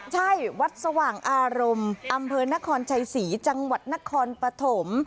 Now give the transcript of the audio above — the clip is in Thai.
ใช่วัดสว่างอารมณ์อำเภอนครชัยศรีจังหวัดนครปฐม